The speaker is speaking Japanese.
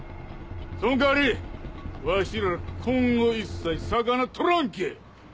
その代わりわしら今後一切魚取らんけぇ！